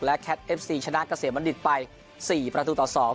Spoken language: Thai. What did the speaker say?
และแคทเอฟซีชนะเกษตรมณฑิตไปสี่ประตูต่อสอง